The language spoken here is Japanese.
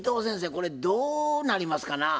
これどうなりますかな？